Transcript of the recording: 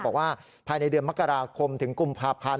บอกว่าภายในเดือนมกราคมถึงกุมภาพันธ์